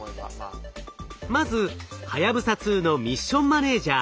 まずはやぶさ２のミッションマネージャ